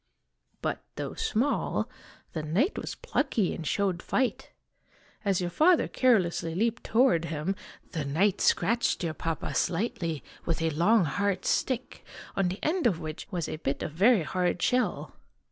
" But, though small, the knight was plucky and showed fight. As your father carelessly leaped toward him, the knight scratched dear Papa slightly with a long, hard stick, on the end of which was a bit of very hard shell.